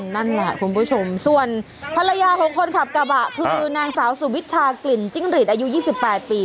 นั่นแหละคุณผู้ชมส่วนภรรยาของคนขับกระบะคือนางสาวสุวิชากลิ่นจิ้งหรีดอายุ๒๘ปี